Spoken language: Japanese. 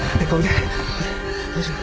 大丈夫？